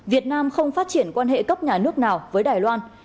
việt nam không phát triển quan hệ cấp nhà nước nào với đài loan